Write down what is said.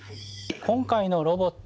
今回のロボット